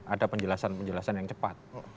ada penjelasan penjelasan yang cepat